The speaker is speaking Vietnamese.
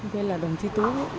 thế nên là đồng chí tú